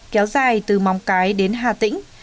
kéo dài từ móng cái đến hà tĩnh